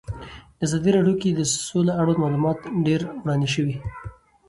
په ازادي راډیو کې د سوله اړوند معلومات ډېر وړاندې شوي.